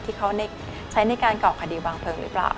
ที่เขาได้ใช้ในการก่อคดีวางเพลิงหรือเปล่า